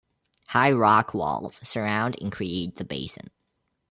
High rock walls surround and create the basin.